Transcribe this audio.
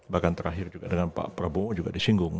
bahkan terakhir juga dengan pak prabowo juga disinggung